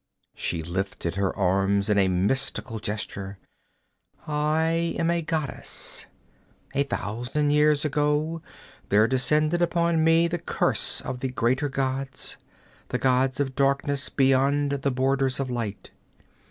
She lifted her arms in a mystical gesture. 'I am a goddess. A thousand years ago there descended upon me the curse of the greater gods, the gods of darkness beyond the borders of light.